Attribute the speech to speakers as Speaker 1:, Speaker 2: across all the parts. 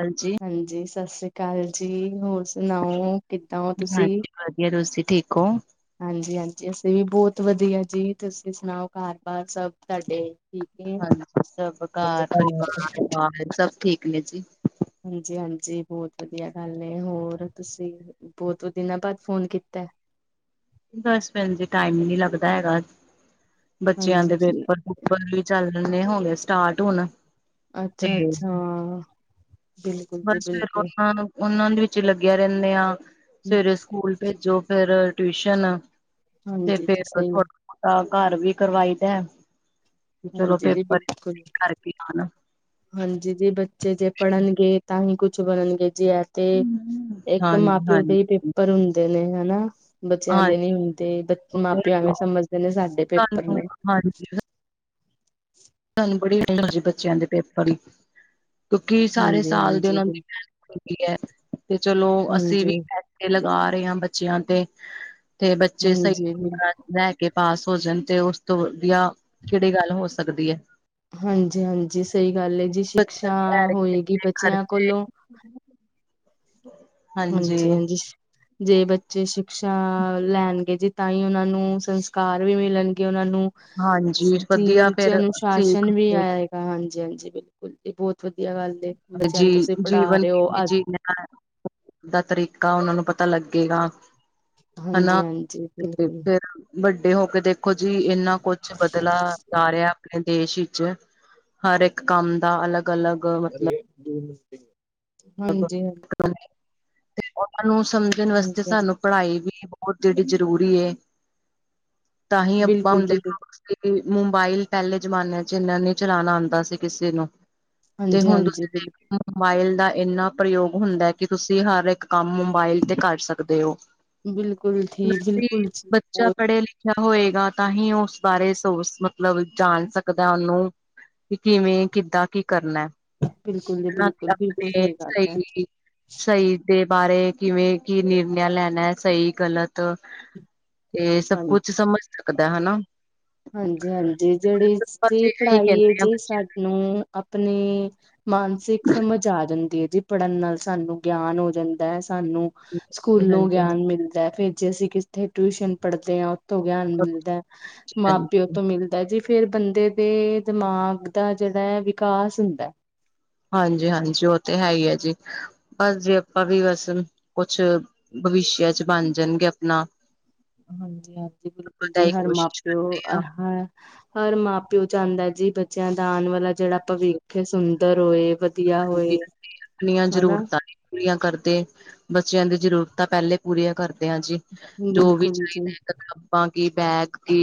Speaker 1: ਹਾਂਜੀ।
Speaker 2: ਹਾਂਜੀ ਸਤਿ ਸ੍ਰੀ ਅਕਾਲ ਜੀ ਹੋਰ ਸੁਣਾਓ ਕਿੱਦਾਂ ਹੋ ਤੁਸੀਂ।
Speaker 1: ਹਾਂਜੀ ਵਧੀਆ ਤੁਸੀਂ ਠੀਕ ਹੋ?
Speaker 2: ਹਾਂਜੀ ਹਾਂਜੀ ਅਸੀਂ ਵੀ ਬਹੁਤ ਵਧੀਆ ਜੀ ਤੁਸੀਂ ਸੁਣਾਓ ਘਰ ਬਾਰ ਸਭ ਤੁਹਾਡੇ ਠੀਕ ਨੇ?
Speaker 1: ਹਾਂਜੀ ਸਭ ਘਰ ਪਰਿਵਾਰ ਬਾਲ ਸਭ ਠੀਕ ਨੇ ਜੀ।
Speaker 2: ਹਾਂਜੀ ਹਾਂਜੀ ਬਹੁਤ ਵਧੀਆ ਗੱਲ ਹੋਰ ਤੁਸੀਂ। ਬਹੁਤ ਦਿਨਾਂ ਬਾਅਦ ਫੋਨ ਕੀਤਾ ਏ।
Speaker 1: ਬਸ ਭੈਣ ਜੀ ਟਾਈਮ ਨੀ ਲੱਗਦਾ ਹੈਗਾ ਬੱਚਿਆਂ
Speaker 2: ਹਾਂਜੀ
Speaker 1: ਦੇ
Speaker 2: ਜੀ
Speaker 1: ਪੇਪਰ ਵੀ ਚੱਲਦੇ ਸੀ ਹੁਣ ਵੀ ਸਟਾਰਟ ਹੁਣ ਤੇ
Speaker 2: ਅੱਛਾ ਅੱਛਾ ਬਿਲਕੁਲ ਜੀ
Speaker 1: ਬਸ ਫੇਰ
Speaker 2: ਬਿਲਕੁਲ
Speaker 1: ਉਹਨਾ ਨੂੰ ਉਹਨਾਂ ਦੇ ਵਿੱਚ ਲੱਗਿਆ ਰਹਿਣੇ ਆ ਸਵੇਰੇ ਸਕੂਲ ਭੇਜੋ ਫੇਰ ਟਿਊਸ਼ਨ ਤੇ
Speaker 2: ਹਾਂਜੀ ਜੀ
Speaker 1: ਫੇਰ
Speaker 2: ਸਹੀ ਹੈ।
Speaker 1: ਥੋੜਾ ਬਹੁਤਾ ਘਰ ਵੀ ਕਰਵਾਈ ਦਾ ਏ। ਚਲੋ
Speaker 2: ਹਾਂਜੀ ਜੀ
Speaker 1: ਪੇਪਰ
Speaker 2: ਬਿਲਕੁਲ
Speaker 1: ਠੀਕ ਕਰਕੇ ਆਣਾ।
Speaker 2: ਹਾਂਜੀ ਜੀ ਬੱਚੇ ਜੇ ਪੜ੍ਹਨਗੇ ਤਾਂ ਹੀ ਕੁਛ ਬਣਨਗੇ ਜੀ ਐ। ਤੇ ਇੱਕ
Speaker 1: ਹਾਂਜੀ,
Speaker 2: ਮਾਂ
Speaker 1: ਹਾਂਜੀ,
Speaker 2: ਪਿਓ ਦੇ
Speaker 1: ਹਾਂਜੀ।
Speaker 2: ਹੀ ਪੇਪਰ ਹੁੰਦੇ ਨੇ ਹਨਾ ਬੱਚਿਆਂ ਦੇ ਨੀ ਹੁੰਦੇ। ਬਚੇ ਮਾਪੇ ਐਵੇ ਸਮਝਦੇ ਨੇ ਸਾਡੇ ਪੇਪਰ ਨੇ।
Speaker 1: ਹਾਂਜੀ ਸਾਨੂੰ ਬੜੀ ਟੈਨਸ਼ਨ ਜੀ ਬੱਚਿਆਂ ਦੇ ਪੇਪਰ ਦੀ ਕਿਉਂਕਿ ਸਾਰੇ
Speaker 2: ਹਾਂਜੀ
Speaker 1: ਸਾਲ ਦੇ
Speaker 2: ਹਾਂਜੀ
Speaker 1: ਉਹਨਾਂ
Speaker 2: ਬਿਲ
Speaker 1: ਦੀ ਮਿਹਨਤ ਹੁੰਦੀ ਹੈ ਤੇ ਚਲੋ ਅਸੀਂ
Speaker 2: ਹਾਂਜੀ
Speaker 1: ਵੀ ਪੈਸੇ ਲਗਾ ਰਹੇ ਹਾਂ ਬੱਚਿਆਂ ਤੇ ਤੇ ਬੱਚੇ
Speaker 2: ਹਾਂਜੀ
Speaker 1: ਸਹੀ
Speaker 2: ਬਿਲਕੁਲ
Speaker 1: ਤਰਾਂ ਲੈ ਕੇ ਪਾਸ ਹੋ ਜਾਣ ਤੇ ਉਸ ਤੋਂ ਵਧੀਆ ਕਿਹੜੀ ਗੱਲ ਹੋ ਸਕਦੀ ਹੈ।
Speaker 2: ਹਾਂਜੀ ਹਾਂਜੀ ਸਹੀ ਗੱਲ ਹੈ ਜੀ ਸ਼ਿਕਸ਼ਾ ਹੋਏਗੀ ਬੱਚਿਆਂ
Speaker 1: ਖਰਚੇ
Speaker 2: ਕੋਲੋਂ ਹਾਂਜੀ ਹਾਂਜੀ। ਜੇ ਬੱਚੇ ਸ਼ਿਕਸ਼ਾ ਲੈਣਗੇ ਜੀ ਤਾਂ ਹੀ ਉਹਨਾਂ ਨੂੰ ਸੰਸਕਾਰ ਵੀ ਮਿਲਣਗੇ ਉਹਨਾਂ ਨੂੰ
Speaker 1: ਹਾਂਜੀ
Speaker 2: ਜੀ
Speaker 1: ਵਧੀਆ ਫੇਰ ਸਿੱਖ
Speaker 2: ਅਨੁਸ਼ਾਸਨ ਵੀ
Speaker 1: ਮਿਲੇਗੀ,
Speaker 2: ਆਏਗਾ ਹਾਂਜੀ ਹਾਂਜੀ ਬਿਲਕੁਲ ਇਹ ਬਹੁਤ ਵਧੀਆ ਗੱਲ ਬੱਚਿਆਂ ਨੂੰ
Speaker 1: ਜੀ
Speaker 2: ਤੁਸੀਂ ਪੜ੍ਹਾ
Speaker 1: ਜੀਵਨ
Speaker 2: ਰਹੇ ਹੋ
Speaker 1: ਕਿਵੇਂ
Speaker 2: ਅੱਜ
Speaker 1: ਜੀਣਾ ਦਾ ਤਰੀਕਾ ਉਹਨਾਂ ਨੂੰ ਪਤਾ ਲੱਗੇਗਾ।
Speaker 2: ਹਾਂਜੀ
Speaker 1: ਹਨਾ
Speaker 2: ਹਾਂਜੀ ਬਿਲਕੁਲ
Speaker 1: ਫਿਰ ਵੱਡੇ ਹੋ ਕੇ ਦੇਖੋ ਜੀ ਇੰਨਾ ਕੁਛ ਬਦਲਾ ਜਾ ਰਿਹਾ ਆਪਣੇ ਦੇਸ਼ ਵਿਚ ਹਰ ਇੱਕ ਕੰਮ ਦਾ ਅਲੱਗ ਅਲੱਗ
Speaker 2: ਹਾਂਜੀ ਹਾਂ।
Speaker 1: ਤੇ ਉਹਨਾਂ ਨੂੰ ਸਮਝਣ ਵਾਸਤੇ
Speaker 2: ਹਾਂਜੀ ਹਾਂਜੀ
Speaker 1: ਸਾਨੂੰ ਪੜ੍ਹਾਈ ਵੀ ਬਹੁਤ ਜਿਹੜੀ ਜ਼ਰੂਰੀ ਤਾਂ ਹੀ ਆਪਾਂ
Speaker 2: ਬਿਲਕੁਲ
Speaker 1: ਹੁਣ
Speaker 2: ਜੀ ਬਿਲ
Speaker 1: ਦੇਖੋ ਕਿ ਮੋਬਾਇਲ ਪਹਿਲੇ ਜਮਾਨਿਆਂ ਚ ਇੰਨਾ ਨ ਚਲਾਉਣਾ ਆਉਂਦਾ ਸੀ ਕਿਸੇ ਨੂੰ ਤੇ
Speaker 2: ਹਾਂਜੀ
Speaker 1: ਹੁਣ
Speaker 2: ਹਾਂਜੀ
Speaker 1: ਤੁਸੀਂ
Speaker 2: ਬਿਲਕੁਲ
Speaker 1: ਦੇ ਮੋਬਾਇਲ ਦਾ ਇੰਨਾ ਪ੍ਰਯੋਗ ਹੁੰਦਾ ਹੈ ਕਿ ਤੁਸੀਂ ਹਰ ਇੱਕ ਕੰਮ ਮੋਬਾਇਲ ਤੇ ਕਰ ਸਕਦੇ ਹੋ
Speaker 2: ਬਿਲਕੁਲ ਠੀ ਬਿਲਕੁਲ ੀ ਬਹੁ
Speaker 1: ਅੱਛਾ ਹੋਏਗਾ ਤਾਂ ਹੀ ਉਹ ਉਸ ਬਾਰੇ ਸੋਚ ਮਤਲਬ ਜਾਣ ਸਕਦਾ ਉਹਨੂੰ ਕਿ ਕਿਵੇਂ ਕਿੱਦਾਂ ਕੀ ਕਰਨਾ
Speaker 2: ਬਿਲਕੁ ਜੀ
Speaker 1: ਉਹਨਾਂ ਦੇ
Speaker 2: ਬਿਲਕੁਲ ਬਿਲਕੁਲ
Speaker 1: ਆਪਣੇ
Speaker 2: ਗੱਲ ਹੈ
Speaker 1: ਸਹੀ ਸਹੀ ਦੇ ਬਾਰੇ ਕਿਵੇਂ ਕੀ ਨਿਰਣਿਆ ਲੈਣਾ ਹੈ ਸਹੀ ਗਲਤ ਤੇ ਸਭ ਕੁਛ
Speaker 2: ਹਾਂਜੀ
Speaker 1: ਸਮਝ ਸਕਦਾ ਹਨਾ
Speaker 2: ਹਾਂਜੀ ਹਾਂਜੀ ਜਿਹੜੀ ਜ
Speaker 1: ਬਸ ਇਹੀ
Speaker 2: ਪੜ੍ਹਾਈ ਹੈ
Speaker 1: ਕਹਿੰਦੇ ਆ
Speaker 2: ਜੇ
Speaker 1: ਬੱਚਿਆਂ
Speaker 2: ਸਾਨੂੰ ਆਪਣੇ ਮਾਨਸਿਕ ਸਮਝ ਆ ਜਾਂਦੀ ਹੈ ਜੀ ਪੜ੍ਹਨ ਨਾਲ ਸਾਨੂੰ ਗਿਆਨ ਹੋ ਜਾਂਦਾ ਹੈ ਸਾਨੂੰ
Speaker 1: ਨੂੰ। ਹਾਂਜੀ
Speaker 2: ਸਕੂਲੋਂ
Speaker 1: ਹਾਂਜੀ
Speaker 2: ਗਿਆਨ ਮਿਲਦਾ ਫੇਰ ਜੇ ਅਸੀਂ ਕਿੱਥੇ ਟਿਊਸ਼ਨ ਪੜ੍ਹਦੇ ਹਾਂ ਤੋਂ ਗਿਆਨ ਮਿਲਦਾ ਮਾਂ ਪਿਓ ਤੋਂ ਮਿਲਦਾ ਜੀ ਫੇਿਰ ਬੰਦੇ ਦੇ ਦਿਮਾਗ ਦਾ ਜਿਹੜਾ ਹੈ ਵਿਕਾਸ ਹੁੰਦਾ
Speaker 1: ਹਾਂਜੀ ਹਾਂਜੀ ਉਹ ਤੇ ਹੈ ਹੀ ਹੈ ਜੀ ਬਸ ਵੀ ਆਪਾਂ ਵੀ ਬਸ ਕੁਛ ਭਵਿਸ਼ਯ ਚ ਬਣ ਜਾਣਗੇ ਆਪਣਾ
Speaker 2: ਹਾਂਜੀ ਹਾਂਜੀ ਬਿਲਕੁਲ
Speaker 1: ਪਤਾ
Speaker 2: ਜੀ
Speaker 1: ਹੀ
Speaker 2: ਹਰ ਮਾਂ
Speaker 1: ਕੋਸ਼ਿਸ਼
Speaker 2: ਪਿਓ
Speaker 1: ਕਰਦੇ
Speaker 2: ਹਰ ਮਾਂ ਪਿਓ ਚਾਹੁੰਦਾ ਜੀ ਬੱਚਿਆਂ ਦਾ ਆਉਣ ਵਾਲਾ ਜਿਹੜਾ ਭਵਿੱਖ ਹੈ ਸੁੰਦਰ ਹੋਏ ਵਧੀਆ ਹੋਏ।
Speaker 1: ਆਪੀਆਂ
Speaker 2: ਹਨਾ,
Speaker 1: ਜਰੂਰਤਾਂ ਪੂਰੀਆਂ ਕਰਦੇ ਬੱਚਿਆਂ ਦੀ ਜ਼ਰੂਰਤਾਂ ਪਹਿਲੇ ਪੂਰੀਆਂ ਕਰਦੇ ਆ ਜੀ ਜੋ ਵੀ
Speaker 2: ਬਿਲਕੁਲ ਜੀ
Speaker 1: ਚਾਹੀਦਾ ਹੈ ਕਿਤਾਬਾਂ ਕੀ ਬੈਗ ਕੀ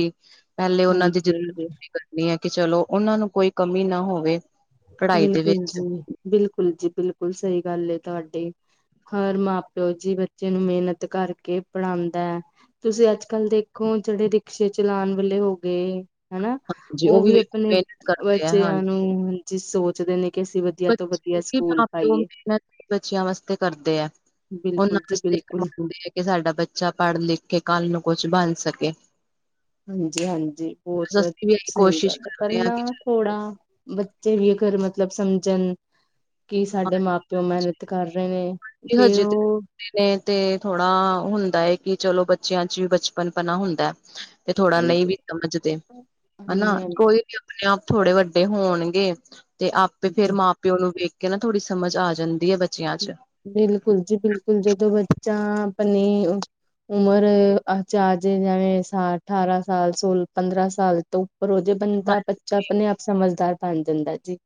Speaker 1: ਪਹਿਲੇ ਉਹਨਾਂ ਦੀ ਜ਼ਰੂਰਤ
Speaker 2: ਹਾਂਜੀ-ਹਾਂਜੀ,
Speaker 1: ਹ ਕਰਨੀ ਹੈ ਕਿ ਚਲੋ ਉਹਨਾਂ ਨੂੰ ਕੋਈ ਕਮੀ ਨਾ ਹੋਵੇ ਪੜ੍ਹਾਈ ਦੇ
Speaker 2: ਬਿਲਕੁਲ
Speaker 1: ਵਿੱਚ
Speaker 2: ਜੀ ਬਿਲਕੁਲ ਜੀ ਬਿਲਕੁਲ ਸਹੀ ਗੱਲ ਤੁਹਾਡੀ ਹਰ ਮਾਂ ਪਿਓ ਜੀ ਬੱਚੇ ਨੂੰ ਮਿਹਨਤ ਕਰਕੇ ਪੜ੍ਹਾਉਂਦਾ ਹੈ ਤੁਸੀਂ ਅੱਜ ਕੱਲ੍ਹ ਦੇਖੋ ਜਿਹੜੇ ਰਿਕਸ਼ੇ ਚਲਾਉਣ ਵਾਲੇੇ ਹੋ ਗਏ ਹਨਾ
Speaker 1: ਜੀ
Speaker 2: ਉਹ ਵੀ
Speaker 1: ਵੇਖੋ
Speaker 2: ਆਪਣੇ
Speaker 1: ਮਿਹਨਤ ਕਰਦੇ ਆ ਹਾਂਜੀ
Speaker 2: ਬੱਚਿਆਂ ਨੂੰ ਜ ਸੋਚਦੇ ਨੇ ਕਿ ਅਸੀਂ ਵਧੀਆ ਤੋਂ ਵਧੀਆ ਸਕੂਲ
Speaker 1: ਮਾਂ ਪਿਓ
Speaker 2: ਪਾਈਏ।
Speaker 1: ਮਿਹਨਤ ਬੱਚਿਆਂ ਵਾਸਤੇ ਕਰਦੇ ਹੈ
Speaker 2: ਬਿਲਕੁਲ ਜੀ
Speaker 1: ਉਹਨਾਂਸਤੇ ਕ
Speaker 2: ਬਿਲਕੁਲ
Speaker 1: ਮੰਨਦੇ ਆ ਕਿ ਸਾਡਾ ਬੱਚਾ ਪੜ੍ਹ ਲਿਖ ਕੇ ਕੱਲ੍ਹ ਨੂੰ ਕੁਛ ਬਣ ਸਕੇ
Speaker 2: ਹਾਂਜੀ ਹਾਂਜੀ
Speaker 1: ਬਸ
Speaker 2: ਬਹੁਤ
Speaker 1: ਅਸੀਂ ਵੀ ਇਹੀ
Speaker 2: ਸਹੀ
Speaker 1: ਕੋਸ਼ਿਸ਼
Speaker 2: ਗੱਲ ਹੈ
Speaker 1: ਕਰ ਰਹੇ ਹਾਂ ਕਿ
Speaker 2: ਪਹਿਲਾਂ ਥੋੜਾ ਬੱਚੇ ਵੀ ਅਗਰ ਮਤਲਬ ਸਮਝਣ ਕੀ ਸਾਡੇ ਮਾਂ ਪਿਓ ਮਿਹਨਤ ਕਰ ਰਹੇ ਨੇ
Speaker 1: ਜ
Speaker 2: ਫੇਰ
Speaker 1: ਹਾਂਜੀ
Speaker 2: ਉਹ
Speaker 1: ਨੇ ਤੇ ਥੋੜਾ ਹੁੰਦਾ ਹੈ ਕਿ ਚਲੋ ਬੱਚਿਆਂ ਚ ਵੀ ਬਚਪਨਪਨਾ ਹੁੰਦਾ ਤੇ ਥੋੜਾ ਨਹੀਂ
Speaker 2: ਹਾਂਜੀ
Speaker 1: ਵੀ ਸਮਝਦੇ ਹਨਾ
Speaker 2: ਹਾਂਜੀ
Speaker 1: ਕੋਈ ਵੀ ਆਪਣੇ ਆਪ ਥੋੜੇ ਵੱਡੇ ਹੋਣਗੇ ਤੇ ਆਪੇ ਫੇਿਰ
Speaker 2: ਹਾਂਜੀ
Speaker 1: ਮਾ ਪਿਓ ਨੂੰ ਵੇਖ ਕੇ ਨਾ ਥੋੜੀ ਸਮਝ ਆ ਜਾਂਦੀ ਹੈ ਬ
Speaker 2: ਬਿਲਕੁਲ ਜੀ ਬਿਲਕੁਲ ਜਦੋਂ ਬੱਚਾ ਆਪਣੇ ਉਮਰ ਅਚਾਰਜੇ ਜਿਵੇਂ ਸ ਅਠਾਰਾਂ ਸਾਲ ਸੋਲ ਪੰਦਰਾਂ ਸਾਲ ਤੋਂ ਪਰ ਉਹਦੇ
Speaker 1: ਹਾਂ
Speaker 2: ਬੰਦਾ ਬੱਚਾ ਆਪਣੇ ਆਪ ਸਮਝਦਾਰ ਬਣ ਜਾਂਦਾ ਜੀ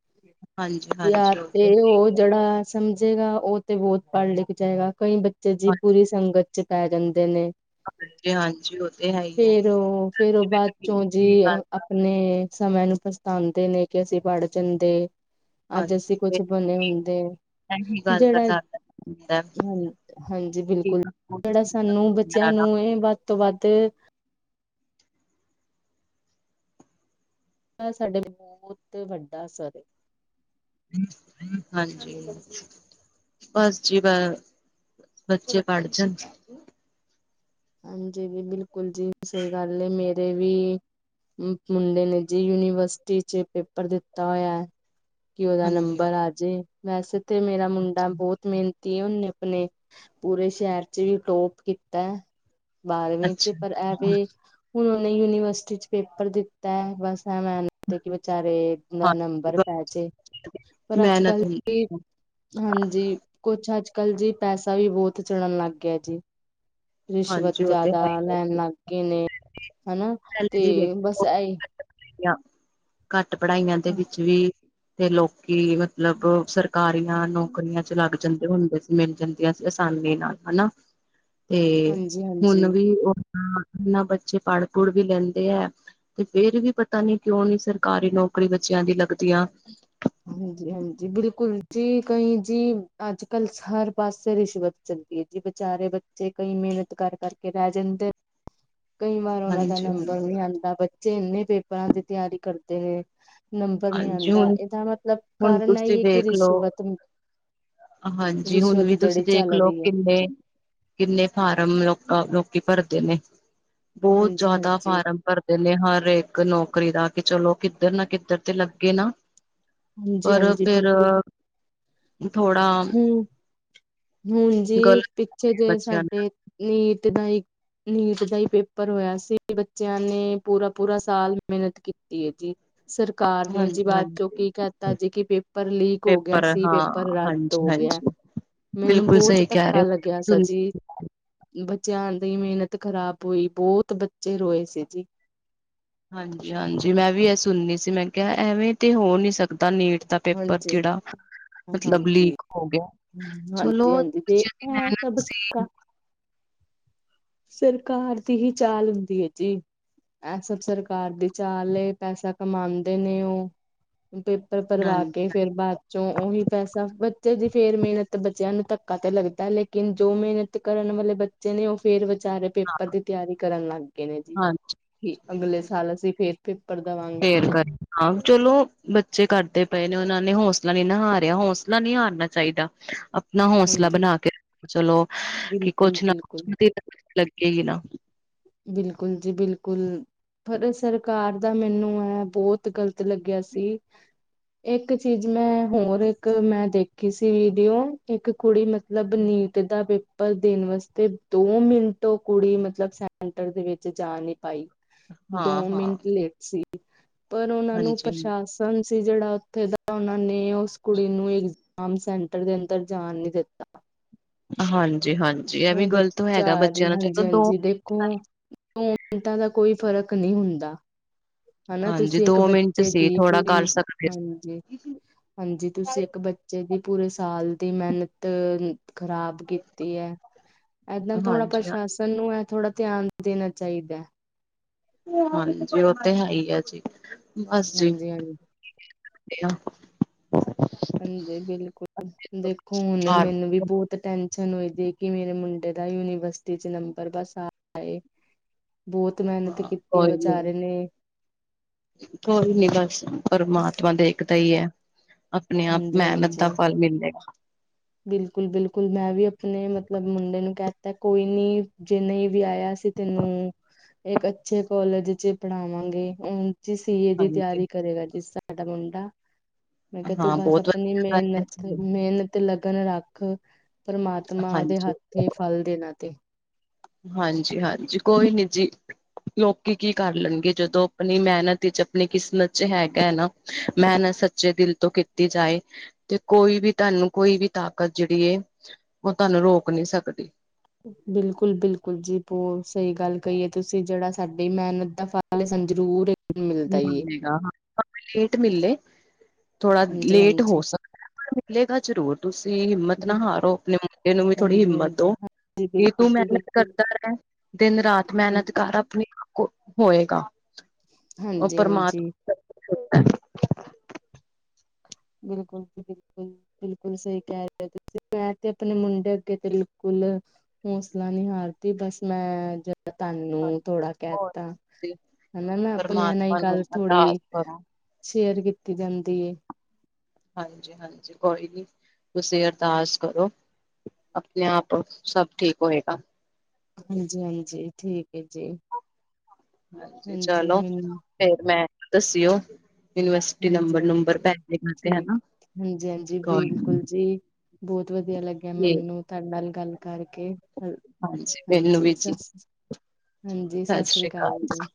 Speaker 1: ਹਾਂਜੀ
Speaker 2: ਯਾਰ
Speaker 1: ਹਾਂਜੀ ਉਹ
Speaker 2: ਤੇ ਉਹ ਜਿਹੜਾ ਸਮਝੇਗਾ ਉਹ ਤੇ ਬਹੁਤ ਪੜ੍ਹ ਲਿਖ ਜਾਏਗਾ ਕਈ ਬੱਚੇ ਜੀ ਪੂਰੀ ਸੰਗਤ ਚ ਪੈ ਜਾਂਦੇ ਨੇ
Speaker 1: ਹਾਂਜੀ ਹਾਂਜੀ ਉਹ ਤੇ ਹੈ ਹੀ ਹੈ
Speaker 2: ਫੇਰ ਉਹ ਫੇਰ ਉਹ ਬਾਅਦ ਚੋਂ ਜੀ
Speaker 1: ਇਹ ਗੱਲ ਦਾ
Speaker 2: ਆਪਣੇ ਸਮਿਆਂ ਨੂੰ ਪਛਤਾਉਂਦੇ ਨੇ ਕਿ ਅਸੀਂ ਪੜ ਜਾਂਦੇ ਅੱਜ ਅਸੀਂ
Speaker 1: ਹਾਂਜੀ
Speaker 2: ਕੁਛ ਬਣੇ ਹੁੰਦੇ
Speaker 1: ਇਹੀ ਗੱਲ ਦਾ
Speaker 2: ਜਿਹੜਾ
Speaker 1: ਡਰ ਹੁੰਦਾ
Speaker 2: ਹਾਂ ਹਾਂਜੀ ਬਿਲਕੁਲ ਜਿਹੜਾ ਸਾਨੂੰ ਬੱਚਿਆਂ ਨੂੰ ਇਹ ਵੱਧ ਤੋਂ ਵੱਧ ਸਾਡੇ ਬਹੁਤ ਵੱਡਾ ਸਵ
Speaker 1: ਹਾਂਜੀ ਬਸ ਜੀ ਬ ਬੱਚੇ ਪੜ ਜਾਣ
Speaker 2: ਹਾਂਜੀ ਵੀ ਬਿਲਕੁਲ ਜੀ ਸਹੀ ਗੱਲ ਨੇ ਮੇਰੇ ਵੀ ਮੁੰਡੇ ਨੇ ਜੇ ਯੂਨੀਵਰਸਿਟੀ ਚ ਪੇਪਰ ਦਿੱਤਾ ਹੋਇਆ ਕਿ ਉਹਦਾ
Speaker 1: ਹਾਂਜੀ
Speaker 2: ਨੰਬਰ ਆਜੇ ਵੈਸੇ ਤੇ ਮੇਰਾ ਮੁੰਡਾ ਬਹੁਤ ਮਿਹਨਤੀ ਹੁੰਨੇ ਆਪਣੇ ਪੂਰੇ ਸ਼ਹਿਰ ਚ ਵੀ ਟੋਪ ਕੀਤਾ ਬਾਰਵੀਂ ਚ
Speaker 1: ਅੱਛਾ
Speaker 2: ਪਰ ਐਵੇਂ ਹੁਣ ਉਹਨੇ ਯੂਨੀਵਰਸਿਟੀ ਚ ਪੇਪਰ ਦਿੱਤਾ ਹੈ ਬਸ ਐਵੇਂ ਕਿ ਵਿਚਾਰੇ ਦਾ
Speaker 1: ਹਾਂ
Speaker 2: ਨੰਬਰ ਪੈ ਜੇ ਪਰ ਅੱਜ
Speaker 1: ਮਿਹਨਤ
Speaker 2: ਕੱਲ
Speaker 1: ਹੁੰਦੀ ਹੈ
Speaker 2: ਹਾਂਜੀ ਕੁਛ ਅੱਜ ਕਲ ਜੀ ਪੈਸਾ ਵੀ ਬਹੁਤ ਚਲਨ ਲੱਗ ਗਿਆ ਜੀ। ਰਿਸ਼ਵਤ
Speaker 1: ਹਾਂਜੀ ਉਹ ਤੇ
Speaker 2: ਜ਼ਿਆਦਾ
Speaker 1: ਹੈ ਹੀ
Speaker 2: ਲੈਣ
Speaker 1: ਹੈ।
Speaker 2: ਲੱਗ ਗਏ ਨੇ ਹਨਾ।
Speaker 1: ਘੱਟ
Speaker 2: ਤੇ ਬਸ ਇਹੀ
Speaker 1: ਪੜ੍ਹਾਈਆਂ ਦੇ ਵਿੱਚ ਵੀ ਤੇ ਲੋਕੀ ਮਤਲਬ ਸਰਕਾਰੀਆਂ ਨੌਕਰੀਆਂ ਚ ਲੱਗ ਜਾਂਦੇ ਹੁੰਦੇ ਸੀ ਮਿਲ ਜਾਂਦੀਆਂ ਸੀ ਆਸਾਨੀ ਨਾਲ ਹਨਾ। ਤੇ
Speaker 2: ਹਾਂਜੀ
Speaker 1: ਹੁਣ
Speaker 2: ਹਾਂਜੀ
Speaker 1: ਵੀ ਉਹਨਾਂ ਬੱਚੇ ਪੜ ਪੜ ਵੀ ਲੈਂਦੇ ਹੈ। ਤੇ ਫੇਰ ਵੀ ਪਤਾ ਨੀ ਕਿਉਂ ਨੀ ਸਰਕਾਰੀ ਨੌਕਰੀ ਬੱਚਿਆਂ ਦੀ ਲੱਗਦੀਆਂ।
Speaker 2: ਹਾਂਜੀ ਹਾਂਜੀ ਬਿਲਕੁਲ ਜੀ ਕਈ ਜੀ ਅੱਜ ਕੱਲ ਹਰ ਪਾਸੇ ਰਿਸ਼ਵਤ ਚਦੀ ਜੀ ਵਿਚਾਰੇ ਬੱਚੇ ਕਈ ਮਿਹਨਤ ਕਰ ਕਰਕੇ ਰਹਿ ਜਾਂਦੇ। ਕਈ ਵਾਰ ਉਹਨਾਂ ਦਾ
Speaker 1: ਹਾਂਜੀ ਹਾਂਜੀ
Speaker 2: ਨੰਬਰ ਨਹੀਂ ਆਉਂਦਾ ਬੱਚੇ ਇੰਨੇ ਪੇਪਰਾਂ ਦੀ ਤਿਆਰੀ ਕਰਦੇ ਨੇ। ਨੰਬਰ ਨਹੀਂ
Speaker 1: ਹਾਂਜੀ
Speaker 2: ਆਉਂਦਾ
Speaker 1: ਹੁਣ
Speaker 2: ਇਹਦਾ ਮਤਲਬ
Speaker 1: ਹੁਣ
Speaker 2: ਕਾਰਨ ਹੈ ਹੀ
Speaker 1: ਤੁਸੀਂ
Speaker 2: ਹੈ ਕਿ
Speaker 1: ਵੇਖ ਲਓ
Speaker 2: ਰਿਸ਼ਵਤ
Speaker 1: ਹਾਂਜੀ ਹੁਣ
Speaker 2: ਰਿਸ਼ਵਤ
Speaker 1: ਵੀ ਤੁਸੀਂ
Speaker 2: ਜਿਹੜੀ ਚੱਲ
Speaker 1: ਦੇਖਲਓ
Speaker 2: ਰਹੀ ਹੈ
Speaker 1: ਕਿੰਨੇ ਕਿੰਨੇ ਫਾਰਮ ਲੋਕ ਲੋਕੀ ਭਰਦੇ ਨੇ ਬਹੁਤ
Speaker 2: ਹਾਂਜੀ
Speaker 1: ਜ਼ਿਆਦਾ
Speaker 2: ਹਾਂਜੀ
Speaker 1: ਫਾਰਮ ਭਰਦੇ। ਨੇ ਹਰ ਇੱਕ ਨੌਕਰੀ ਦਾ ਕਿ ਚਲੋ ਕਿੱਧਰ ਨਾ ਕਿੱਧਰ ਤੇ ਲੱਗੇ ਨਾ।
Speaker 2: ਹਾਂਜੀ
Speaker 1: ਪਰ
Speaker 2: ਹਾਂਜੀ
Speaker 1: ਫੇਰ
Speaker 2: ਬਿਲਕੁਲ
Speaker 1: ਥੋੜਾ
Speaker 2: ਹਮ ਹੁਣ ਜੀ
Speaker 1: ਗਲਤ
Speaker 2: ਪਿੱਛੇ ਜੇ
Speaker 1: ਬੱਚਿਆਂ
Speaker 2: ਸਾਡੇ
Speaker 1: ਨਾਲ
Speaker 2: ਨੀਟ ਦਾ। ਨੀਟ ਦਾ ਹੀ ਪੇਪਰ ਹੋਇਆ ਸੀ ਬੱਚਿਆਂ ਨੇ ਪੂਰਾ ਪੂਰਾ ਸਾਲ ਮਿਹਨਤ ਕੀਤੀ ਹੈ ਜੀ। ਸਰਕਾਰ ਨੇ ਜੀ
Speaker 1: ਹਾਂਜੀ
Speaker 2: ਬਾਅਦ ਚੋਂ
Speaker 1: ਹਾਂਜੀ
Speaker 2: ਕੀ ਕਹਿਤਾ ਜੀ ਕਿ ਪੇਪਰ ਲੀਕ ਹੋ ਗਿਆ
Speaker 1: ਪੇਪਰ
Speaker 2: ਸੀ
Speaker 1: ਹਾਂ
Speaker 2: ਪੇਪਰ ਰੱਦ
Speaker 1: ਹਾਂਜੀ
Speaker 2: ਹੋ ਗਿਆ
Speaker 1: ਹਾਂਜੀ
Speaker 2: ਮੈਨੂੰ
Speaker 1: ਬਿਲਕੁਲ
Speaker 2: ਬਹੁਤ
Speaker 1: ਸਹੀ ਕਹਿ
Speaker 2: ਧੱਕਾ
Speaker 1: ਰਹੇ
Speaker 2: ਲੱਗਿਆ
Speaker 1: ਹੋ
Speaker 2: ਸੀ ਜੀ। ਬੱਚਿਆਂ ਦੀ ਮਿਹਨਤ ਖ਼ਰਾਬ ਹੋਈ ਬਹੁਤ ਬੱਚੇ ਰੋਏ ਸੀ ਜੀ।
Speaker 1: ਹਾਂਜੀ ਹਾਂਜੀ ਮੈਂ ਵੀ ਇਹ ਸੁਣਨੀ ਸੀ ਮੈਂ ਕਿਹਾ ਐਵੇਂ ਤੇ ਹੋ ਨਹੀਂ ਸਕਦਾ ਨੀਟ ਤੱਕ ਪੇਪਰ
Speaker 2: ਹਾਂਜੀ।
Speaker 1: ਜਿਹੜਾ ਮਤਲਬ
Speaker 2: ਹਾਂਜੀ
Speaker 1: ਲੀਕ ਹੋ ਗਿਆ
Speaker 2: ਹਾਂਜੀ ਹਾਂਜੀ ਤੇ
Speaker 1: ਚਲੋੱਚਿਆਂ ਦੀ
Speaker 2: ਇਹ ਸਭ
Speaker 1: ਮਿਹਨਤ ਸੀ।
Speaker 2: ਸਰਕਾਰ ਦੀ ਹੀ ਚਾਲ ਹੁੰਦੀ ਹੈ ਜੀ। ਇਹ ਸਭ ਸਰਕਾਰ ਦੀ ਚਾਲ ਪੈਸਾ ਕਮਾਉਂਦੇ ਨੇ ਉਹ। ਪਰਵਾ
Speaker 1: ਹਾਂਜੀ
Speaker 2: ਕੇ ਫੇਰ ਬਾਅਦ ਚ ਉਹੀ ਪੈਸਾ ਬੱਚੇ ਦੀ ਫੇਰ ਮਿਹਨਤ ਬੱਚਿਆਂ ਨੂੰ ਧੱਕਾ ਤੇ ਲੱਗਦਾ ਲੇਕਿਨ ਜੋ ਮਿਹਨਤ ਕਰਨ ਵਾਲੇ ਬੱਚੇ ਨੇ ਉਹ। ਫੇਰ ਵਿਚਾਰੇ
Speaker 1: ਹਾਂ
Speaker 2: ਪੇਪਰ ਦੀ ਤਿਆਰੀ ਕਰਨ ਲੱਗ ਗਏ ਨੇ ਜੀ
Speaker 1: ਹਾਂਜੀ
Speaker 2: ਅਗਲੇ
Speaker 1: ਬਿਲਕੁਲ
Speaker 2: ਸਾਲ ਅਸੀਂ ਫੇਰ ਪੇਪਰ ਦਾ ਵਾਂਗ
Speaker 1: ਫੇਰ ਹਾਂ ਚਲੋ ਬੱਚੇ ਕਰਦੇ ਪਏ ਨੇ ਉਹਨਾਂ ਨੇ ਹੌਸਲਾ ਨੀ ਨਾ ਹਾਰਿਆ ਹੌਸਲਾ ਨਹੀਂ ਹਾਰਨਾ ਚਾਹੀਦਾ। ਅ। ਨਾ ਹੌਸਲਾ
Speaker 2: ਹਾਂਜੀ
Speaker 1: ਬਣਾ ਕੇ ਰੱਖ ਚਲੋ ਕਿ
Speaker 2: ਬਿਲਕੁਲ
Speaker 1: ਕੁਛ ਨਾ
Speaker 2: ਬਿਲਕੁਲ
Speaker 1: ਕੁਛ ਲੱਗੇਗੀ ਨਾ।
Speaker 2: ਬਿਲਕੁਲ ਜੀ ਬਿਲਕੁਲ। ਪਰ ਸਰਕਾਰ ਦਾ ਮੈਨੂੰ ਹੈ ਬਹੁਤ ਗ਼ਲਤ ਲੱਗਿਆ ਸੀ। ਇੱਕ ਚੀਜ਼ ਮੈਂ ਹੋਰ ਇੱਕ ਮੈਂ ਦੇਖੀ ਸੀ ਵੀਡੀਓ ਇੱਕ ਕੁੜੀ ਮ ਮਤਲਬ ਨੀਟ ਦਾ ਪੇਪਰ ਦੇਣ ਵਾਸਤੇ ਦੋ ਮਿੰਟ ਕੁੜੀ ਮਤਲਬ ਸੈਂਟਰ ਦੇ ਵਿੱਚ ਜਾ ਨੀ ਪਾਈ ਦੋ
Speaker 1: ਹਾਂ ਹਾਂ
Speaker 2: ਮਿੰਟ ਲੇਟ ਸੀ। ਪਰ ਉਹਨਾਂ ਨੂੰ
Speaker 1: ਹਾਂਜੀ
Speaker 2: ਪ੍ਰਸ਼ਾਸਨ ਸੀ ਜਿਹੜਾ ਉੱਥੇ ਦਾ ਉਹਨਾਂ ਨੇ ਉਸ ਕੁੜੀ ਨੂੰ ਆਮ ਸੈਂਟਰ ਦੇ ਅੰਦਰ ਜਾਣ ਨੀ ਦਿੱਤਾ।
Speaker 1: ਹਾਂਜੀ ਹਾਂਜੀ ਇਹ ਵੀ
Speaker 2: ਉਹ
Speaker 1: ਗ਼ਲਤ
Speaker 2: ਬੱਚਾ
Speaker 1: ਹੈਗਾ
Speaker 2: ਆ
Speaker 1: ਬੱਚਿਆਂ
Speaker 2: ਰਹੀ
Speaker 1: ਨਾਲ ਚਲੋ
Speaker 2: ਹਾਂਜੀ
Speaker 1: ਦੋ
Speaker 2: ਹਾਂਜੀ ਦੇਖੋ ਦੋ ਮਿੰਟਾਂ ਦਾ ਕੋਈ ਫ਼ਰਕ ਨਹੀਂ ਹੁੰਦਾ। ਹਨਾ
Speaker 1: ਹਾਂਜੀ
Speaker 2: ਤੁਸੀਂ ਇੱਕ
Speaker 1: ਦੋ ਮਿੰਟ
Speaker 2: ਬੱਚੇ
Speaker 1: ਸੀ
Speaker 2: ਦੀ
Speaker 1: ਥੋੜਾ
Speaker 2: ਪੂਰੀ
Speaker 1: ਕਰ ਸਕਦੇ ਸੀ।
Speaker 2: ਹਾਂਜੀ। ਹਾਂਜੀ ਤੁਸੀਂ ਇੱਕ ਬੱਚੇ ਦੀ ਪੂਰੇ ਸਾਲ ਦੀ ਮਿਹਨਤ ਖ਼ਰਾਬ ਕੀਤੀ ਹੈ ਏਦਾਂ ਥੋੜ੍ਹਾ
Speaker 1: ਹਾਂਜੀ
Speaker 2: ਪ੍ਰਸ਼ਾਸਨ ਨੂੰ ਹੈ ਥੋੜਾ ਧਿਆਨ ਦੇਣਾ ਚਾਹੀਦਾ।
Speaker 1: ਹਾਂਜੀ ਉਹ ਤੇ ਹੈ ਹੀ ਆ ਜੀ ਬਸ ਜੀ।
Speaker 2: ਹਾਂਜੀ ਹਾਂਜੀ।
Speaker 1: ਕਿ
Speaker 2: ਹਾਂਜੀ ਬਿਲਕੁਲ ਦੇਖੋ ਹੁਣ ਮੈਨੂੰ ਵੀ ਬਹੁਤ ਟੈਨਸ਼ਨ ਹੋਦੀ ਕਿ ਮੇਰੇ ਮੁੰਡੇ ਦਾ ਯੂਨੀਵਰਸਿਟੀ ਚ ਨੰਬਰ ਬਸ ਆ ਏ। ਬਹੁਤ ਮਿਹਨਤ ਕੀਤੀ ਹੈ
Speaker 1: ਕੋਈ ਨੀ
Speaker 2: ਵਿਚਾਰੇ ਨੇ।
Speaker 1: ਕੋਈ ਨੀ ਬਸ ਪਰਮਾਤਮਾ ਦੇਖਦਾ ਈ ਏ। ਆਪਣੇ ਆਪ
Speaker 2: ਹਾਂਜੀ
Speaker 1: ਮਹਿਨਤ ਦਾ ਫਲ ਮਿਲੇਗਾ।
Speaker 2: ਬਿਲਕੁਲ-ਬਿਲਕੁਲ ਮੈਂ ਵੀ ਆਪਣੇ ਮਤਲਬ ਮੁੰਡੇ ਨੂੰ ਕਹਿ ਦਿੱਤਾ ਕੋਈ ਨੀ ਜੇ ਨਈ ਵੀ ਆਇਆ ਅਸੀਂ ਤੈਨੂੰ ਇੱਕ ਅੱਛੇ ਕੋਲਜ ਇਚ ਈ ਪੜ੍ਹਾਵਾਂਗੇ ਹੁਣ ਦੇ ਸੀ ਏ ਦੀ
Speaker 1: ਹਾਂਜੀ
Speaker 2: ਤਿਆਰੀ ਕਰੇਗਾ ਜੀ ਸਾਡਾ ਮੁੰਡਾ। ਮੈਂ ਕਿਹਾ ਤੂੰ
Speaker 1: ਹਾਂ
Speaker 2: ਬਸ
Speaker 1: ਬਹੁਤ
Speaker 2: ਆਪਣੀ
Speaker 1: ਵਧੀਆ ਗੱਲ
Speaker 2: ਮਿਹਨਤ-
Speaker 1: ਹੈ।
Speaker 2: ਮਿਹਨਤ ਤੇ ਲਗਨ ਰੱਖ ਪਰਮਾਤਮਾ ਦੇ
Speaker 1: ਹਾਂਜੀ
Speaker 2: ਹੱਥ ਫਲ ਦੇਣਾ ਤੇ।
Speaker 1: ਹਾਂਜੀ-ਹਾਂਜੀ ਕੋਈ ਨੀ ਜੀ। ਲੋਕੀ ਕੀ ਕਰ ਲੈਣਗੇ ਜਦੋਂ ਆਪਣੀ ਮਿਹਨਤ ਵਿੱਚ ਆਪਣੀ ਕਿਸਮਤ ਚ ਹੈਗਾ ਹੈ ਨਾ। ਮਹਨਤ ਸੱਚੇ ਦਿਲ ਤੋਂ ਕੀਤੀ ਜਾਏ ਤੇ ਕੋਈ ਵੀ ਤੁਹਾਨੂੰ ਕੋਈ ਵੀ ਤਾਕਤ ਜਿਹੜੀ ਏ ਉਹ ਤੁਹਾਨੂੰ ਰੋਕ ਨਹੀਂ ਸਕਦੀ।
Speaker 2: ਬਿਲਕੁਲ-ਬਿਲਕੁਲ ਜੀ ਬਹੁਤ ਸਹੀ ਗੱਲ ਕਹੀ ਏ ਤੁਸੀ ਜਿਹੜਾ ਸਾਡੀ ਮਿਹਨਤ ਦਾ ਫਲ ਏ ਸਾਨੂੰ ਜ਼ਰੂਰ ਏ ਮਿਲਦਾ ਈ
Speaker 1: ਮਲੇਗਾ ਹਾਂ ਲੇਟ ਮਿਲੇ ਥੋੜਾ
Speaker 2: ਹਾਂਜੀ
Speaker 1: ਲੇਟ ਹੋ
Speaker 2: ਹਾਂਜੀ
Speaker 1: ਸਕ ਮਿਲੇਗਾ ਜਰੂਰ ਤੁਸੀਂ ਹਿੰਮਤ ਨਾ ਹਾਰੋ ਆਪਣੇ ਮੁੰਡੇ ਨੂੰ ਵੀ ਥੋੜ੍ਹੀ
Speaker 2: ਹਾਂਜੀ
Speaker 1: ਹਿੰਮਤ
Speaker 2: ਹਾਂਜੀ
Speaker 1: ਦੋ।
Speaker 2: ਹਾਂਜੀ
Speaker 1: ਇਹ ਤੂੰ
Speaker 2: ਬਿਲਕੁਲ ਜੀ
Speaker 1: ਮਿਹਨਤ
Speaker 2: ਬਿਲਕੁਲ
Speaker 1: ਕਰਦਾ ਹੈਗਾ ਦਿਨ ਰਾਤ ਮਿਹਨਤ ਕਰ ਆਪਨੀ ਕੋ ਹੋਏਗਾ। ਉਹ
Speaker 2: ਹਾਂਜੀ
Speaker 1: ਪਰਮਾਤ
Speaker 2: ਹਾਂਜੀ
Speaker 1: [unintelligible]
Speaker 2: ਬਿਲਕੁਲ ਜੀ ਬਿਲਕੁਲ। ਬਿਲਕੁਲ ਸਹੀ ਕਹਿ ਰਹੇ ੳ ਤੁਸੀਂ ਮੈਂ ਤੇ ਆਪਣੇ ਮੁੰਡੇ ਅੱਗੇ ਤੇ ਬਿਲਕੁਲ ਹੌਸਲਾ ਨਹੀਂ ਹਾਰਦੀ ਬਸ ਮੈਂ ਜ ਤੁਹਾਨੂੰ ਥੋੜਾ ਕਹਿ
Speaker 1: ਹੋਰ
Speaker 2: ਤਾ
Speaker 1: ਤੁਸੀਂ
Speaker 2: ਹਨਾ ਨਾ ਆਪਣਿਆਂ ਨਾਲ ਹੀ
Speaker 1: ਪਰਮਾਤਮਾ ਨੂੰ
Speaker 2: ਗੱਲ
Speaker 1: ਅਰਦਾਸ
Speaker 2: ਥੋੜ੍ਹੀ
Speaker 1: ਕਰੋ
Speaker 2: ਸ਼ੇਅਰ ਕੀਤੀ ਜਾਂਦੀ ਏ।
Speaker 1: ਹਾਂਜੀ-ਹਾਂਜੀ ਕੋਈ ਨੀ ਤੁਸੀ ਅਰਦਾਸ ਕਰੋ। ਆਪਣੇ ਆਪ ਸਭ ਠੀਕ ਹੋਏਗਾ।
Speaker 2: ਹਾਂਜੀ-ਹਾਂਜੀ ਠੀਕ ਐ ਜੀ।
Speaker 1: ਹਾਂਜੀ ਚਲੋ ਫੇਰ ਮੈਂ ਦਸੀਓ।
Speaker 2: ਹਾਂਜੀ-ਹਾਂਜੀ ਠੀਕ
Speaker 1: ਹਨਾ
Speaker 2: ਹਾਂਜੀ-ਹਾਂਜੀ
Speaker 1: ਕੋਈ
Speaker 2: ਬਿਲਕੁਲ ਜੀ। ਬੌਤ ਵਧੀਆ ਲੱਗਿਆ
Speaker 1: ਠੀਕ
Speaker 2: ਮੈਨੂੰ ਤੁਹਾਡੇ ਨਾਲ ਗੱਲ ਕਰਕੇ।
Speaker 1: ਹਾਂਜੀ ਮੈਨੂੰ ਵੀ ਜੀ।
Speaker 2: ਹਾਂਜੀ
Speaker 1: ਸਤਿ
Speaker 2: ਸਸ ਸ੍ਰੀ ਕਾਲ
Speaker 1: ਅਕਾਲ
Speaker 2: ਜੀ।